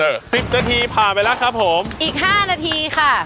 สิบนาทีผ่านไปแล้วครับผมอีกห้านาทีค่ะ